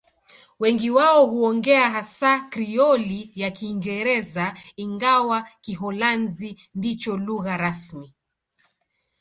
Wengi wao huongea hasa Krioli ya Kiingereza, ingawa Kiholanzi ndicho lugha rasmi.